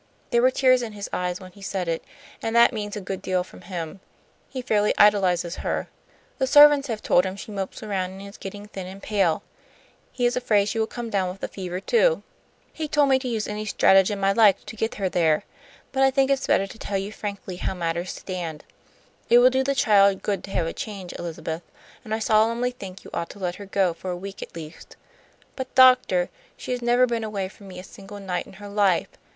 There were tears in his eyes when he said it, and that means a good deal from him. He fairly idolizes her. The servants have told him she mopes around and is getting thin and pale. He is afraid she will come down with the fever, too. He told me to use any stratagem I liked to get her there. But I think it's better to tell you frankly how matters stand. It will do the child good to have a change, Elizabeth, and I solemnly think you ought to let her go, for a week at least." "But, doctor, she has never been away from me a single night in her life.